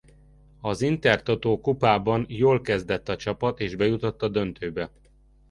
Az Intertotó-kupában jól kezdett a csapat és bejutott a döntőbe.